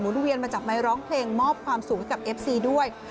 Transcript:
เวียนมาจับไมค์ร้องเพลงมอบความสุขให้กับเอฟซีด้วย